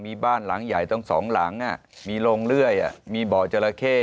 มีบ้านหลังใหญ่ตั้งสองหลังมีโรงเลื่อยมีบ่อจราเข้